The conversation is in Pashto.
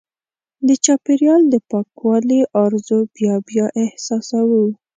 د چاپېریال د پاکوالي ارزو بیا بیا احساسوو.